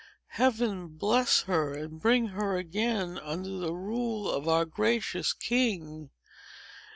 Heaven bless her, and bring her again under the rule of our gracious king!